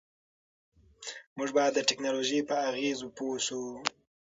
موږ باید د ټیکنالوژۍ په اغېزو پوه شو.